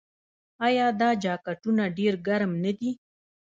آیا دا جاکټونه ډیر ګرم نه دي؟